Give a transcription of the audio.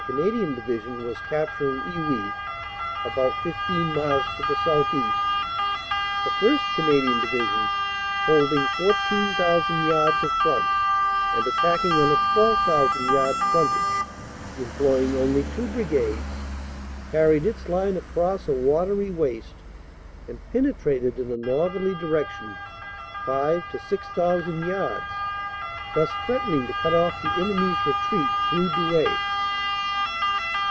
Canadian Division was capturing Iwuy about IS miles to the south east the 1st. Canadian Division, holding 14,000 yards of front and attacking on a 12,000 yard frontage, employing only two Brigades, carried its line across a watery waste and penetrated in a northerly direction five to six thousand yards, thus threat ening to cut off the enemy s retreat through Douai.